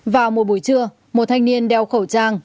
vào một buổi trưa một thanh niên đeo khẩu trang